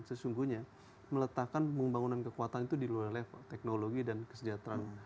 sesungguhnya meletakkan pembangunan kekuatan itu di luar level teknologi dan kesejahteraan